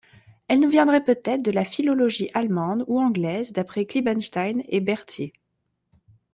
Elle nous viendrait peut-être de la philologie allemande ou anglaise, d’après Kliebenstein et Berthier.